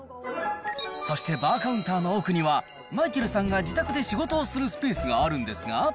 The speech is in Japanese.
そしてバーカウンターの奥には、マイケルさんが自宅で仕事をするスペースがあるんですが。